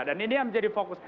dan ini yang menjadi fokus